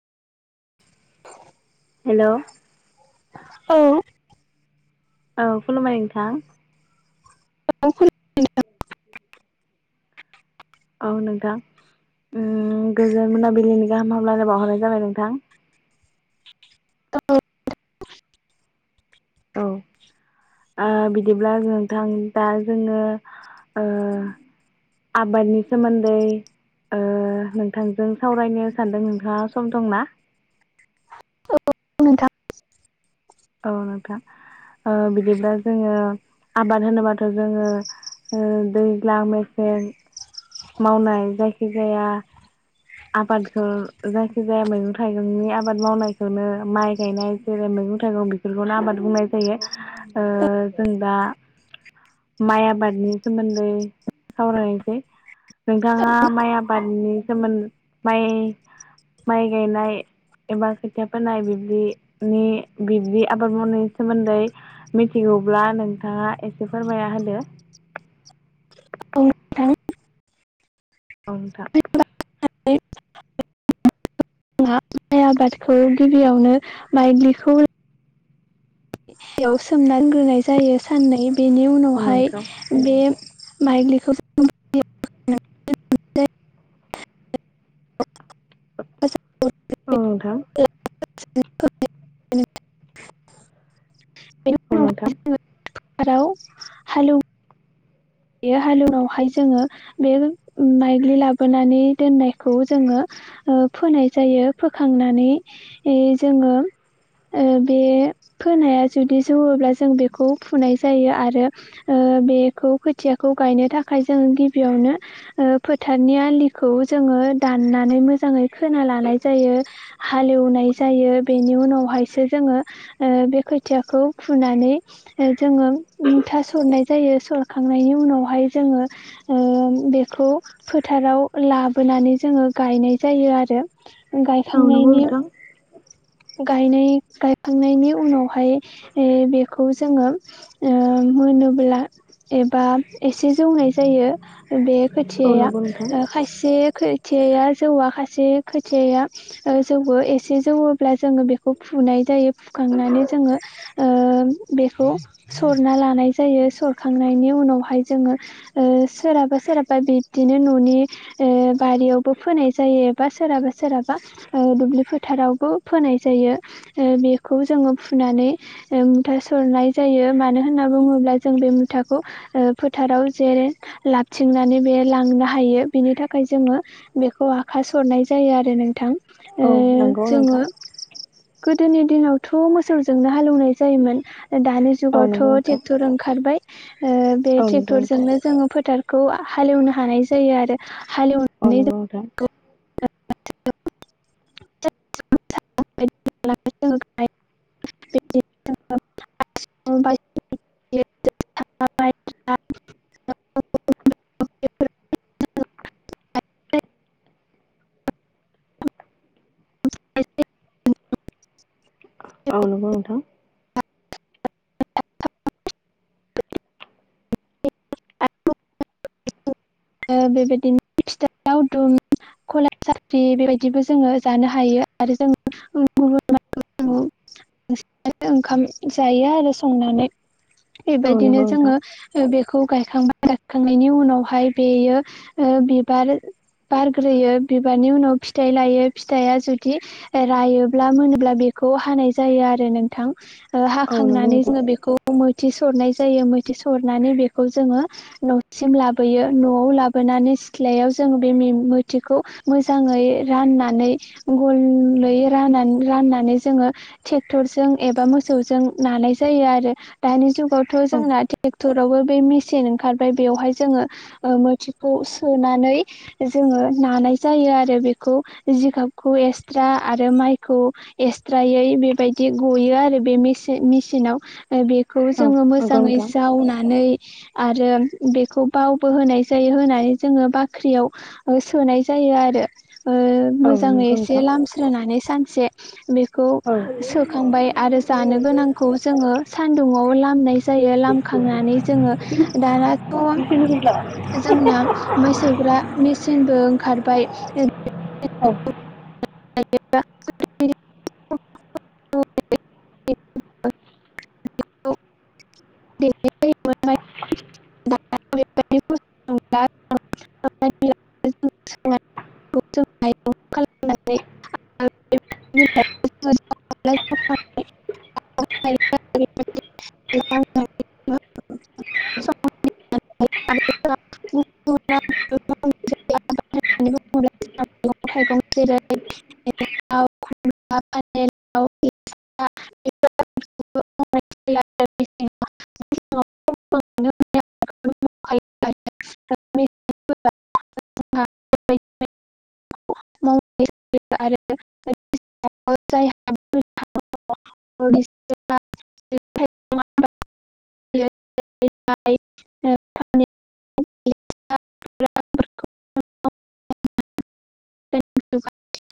[inaudible] हेल' औ औ खुलुमबाय नोंथां [unintelligible] औ नोंथां गोजोन मोनाबिलिनि गाहाम हामलायनाय बावहरनाय जाबाय नोंथां औ ओ बिदिब्ला नोंथां दा जोङो ओ आबादनि सोमोन्दै ओ नोंथांजों सावरायनो सानदों नोंथांआ सम दंना औ नोंथां औ नोंथां ओ बिदिब्ला जोङो आबाद होनोबाथ' जोङो ओ दैज्लां मेसें मावनाय जायखि जाया आबाखो जायखिजाया मैगं थाइगंनि आबाद मावनायखौनो माइ गायनाय जेरै मैगं थाइगं बे बेफोरखौनो आबाद बुंनाय जायो ओ जों दा माइ आबादनि सोमोनदै सावरायनोसै नोंथांआ माइ आबादनि सोमोन्दो माइ माइ गायनाय एबा खोथिआ फोनाय बिबदिनि बिब्दि आबाद मावनायनि सोमोन्दै मिथिगौब्ला नोंथांआ एसे फोरमायना होदो औ नोंथां जोंहा माइ आबादखौ गिबिआवनो मायज्लिखौ सायाव सोमना दोनग्रोनाय जायो साननै बेनि औ उनावहाय नोंथां ओ बे माइज्लिखौ ओ औ नोंथां [unintelligible] औ नोंथां थाराव हालौ बे हालौ नायावहाय जोङो बे ओ माइग्लि लाबोनानै दोननायखौ जोङो ओ फोनाय जायो फोखांनानै जोङो ओ बे फोनाया जुदि जौवोब्ला जों बेखौ फुनाय जायो आरो ओ बेखौ खोथिआखौ गायनो थाखाय जों गिबिआवनो ओ फोथारनि आलिखौ जोङो दाननानै मोजाङै खोना लानाय जायो हाल एवनाय जायो बेनि उनावहायसो जोङो ओ बे खोथिआखौ फुनानै जोङो मुथा सरनाय जायो सर खांनायनि उनावहाय जोङो ओ बेखौ फोथाराव लाबोनानै जोंङो गायनाय जायो आरो ओ औ नोंथां औ नंगौ गायखांनायनि नोंथां गायनाय गायखांनायनि उनावहाय ओ बेखौ जोंङो ओ होनोब्ला एबा एसे जौनाय जायो बे औ खोथियाआ नंगौ नोंथां खायसे खो खोथियाआ जौआ खायसे खोथियाआ ओ जौवो एसे जौवोब्ला जोंङो बेखौ फुनाय जायो फुखांनानै जोंङो ओ बेखौ सरना लानाय जायो सरखांनायनि उनावहाय जोंङो ओ सोरहाबा सोरहाबा बिदिनो न'नि ओ बारिआवबो फोनाय जायो बा सोरहाबा सोरहाबा ओ दुब्लि फोथारावबो फोनाय जायो ओ बेखौ जोंङो फुनानै ओ‌ मुथा सरनाय जायो मानो होनना बुंङोब्ला जों बे फोथाखौ ओ‌ फोथाराव जेरै लाबथिंनानै बे लांनो हायो बिनि थाखाय जोंङो बेखौ आखााइ सरनाय जायो आरो नोंथां औ नंगौ नोंथां जोंङो। गोदोनि दिनावथ' मोसौजोंनो हालेवनाय जायोमोन दानि औ जुगावथ' नंगौ नोंथां ट्रेक्टर ओंखारबाय बे औ नंगौ नोंथां ट्रेक्टरजोंनो जोंङो फोथार हालेवनो हानाय जायो आरो हालवनो नोगाव दा [unintelligible] [unintelligible] [inaudible] [unintelligible] औ नंगौ आरो बेबायदिनो फिथा [unintelligible] दावदुम कला सारि बेबायदिबो जोंङो जानो हायो आरो जों गुबुन बांसिनानो ओंखाम जायो आरो संनानै। बे औ बायदिनो नंगौ नोंथां जोंङो बेखौ गायखांबाय थांनायनि उनाव हाय बेयो बिबार बारग्रोयो बिबारनि उनाव फिथाइ लायो फिथाइया जुदि रायोब्ला मोनोब्ला बेखौ हानाय जायो आरो नोंथां। हाखांनानै जोंङो बेखौ मैथि सरनाय जायो मैथि सरनानै बेखौ जोंङो ओ सिम लाबोयो न'आव लाबोनानै सिथ्लायाव जोंङो बे मोथिखौ मोजाङै राननानै गुबुङै रान राननानै जोंङो ट्रेक्टरजों एबा मोसौजों नानाय जायो आरो दानि जुगाव थ' औ नंगौ नोंथां औ जोंना ट्रेक्टरावबो बे मेसिन ओंखारबाय बेवहाय जोंङो। मोथिखौ सुनानै जोंङो नानाय जायो आरो बेखौ जिगाबखौ एक्सट्रा आरो माइखौ। एक्सट्रायै बेबायदि गायो आरो बेन मेसिनाव बे खौ जोंङो नंगौ मोजाङै नोंथां जावनानै आरो। बेखौ बावबो होनाय जायो होनानै जोंङो बाख्रियाव सोनाय जायो आरो। औ नंगौ नोंथां मानै ससे औ खांबाय आरो जानो गोनांखौ जोंङो। सान्दुंङाव लामनाय जायो लामखांनानै जोंङो रानबा जोंना माय सौग्रा मेचिनबो ओंखारबाय औ। [unintelligible] [unintelligible] [inaudible] [inaudible] [unintelligible] [unintelligible] [unintelligible] [unintelligible] [unintelligible] मैगं थाइगं जेरै [unintelligible] लेस्रा बेफोरखौ मावनाय जायो आरो मेसेङाव जोङो [unintelligible] आरो मेसेंफोरा जोंहा [unintelligible] [unintelligible] जायहा